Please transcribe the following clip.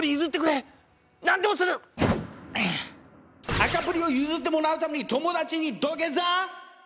赤プリを譲ってもらうために友達に土下座！